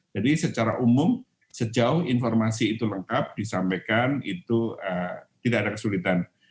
jadi secara umum sejauh informasi itu lengkap disampaikan itu tidak ada kesulitan